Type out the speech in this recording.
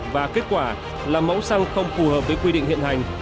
và kết quả là mẫu xăng không phù hợp với quy định hiện hành